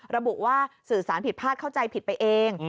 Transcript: ระบุว่าสื่อสารผิดพลาดเข้าใจผิดไปเอง